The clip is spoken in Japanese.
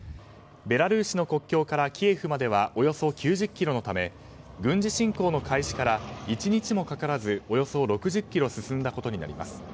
ベラルーシの国境からキエフまではおよそ９０ｋｍのため軍事侵攻の開始から１日もかからず、およそ６０ｋｍ進んだことになります。